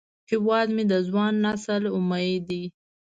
هیواد مې د ځوان نسل امید دی